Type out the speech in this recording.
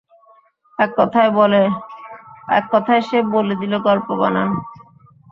এককথায় সে বলে দিল গল্প বানান?